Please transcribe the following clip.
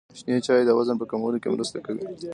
شنې چايي د وزن په کمولو کي مرسته کوي.